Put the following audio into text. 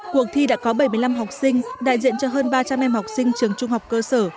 cuộc thi đã có bảy mươi năm học sinh đại diện cho hơn ba trăm linh em học sinh trường trung học cơ sở